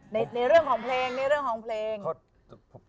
ในเรื่องของเพลง